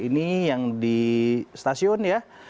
ini yang di stasiun ya